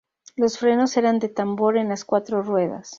Los frenos eran de tambor en las cuatro ruedas.